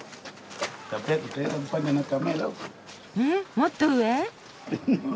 もっと上？